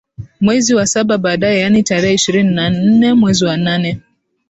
mwezi wa saba baadaye yaani tarehe ishirini na nne mwezi wa nane